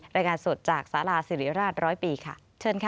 รายงานสดจากสาราสิริราชร้อยปีค่ะเชิญค่ะ